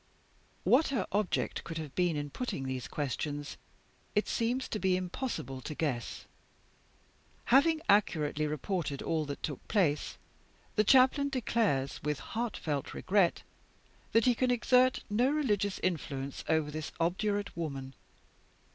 "What her object could have been in putting these questions, it seems to be impossible to guess. Having accurately reported all that took place, the Chaplain declares, with heartfelt regret, that he can exert no religious influence over this obdurate woman.